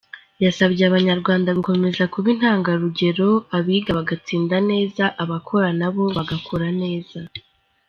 Yasabye Abanyarwanda gukomeza kuba intangarugero, abiga bagatsinda neza abakora nabo bagakora neza.